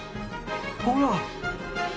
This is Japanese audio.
ほら！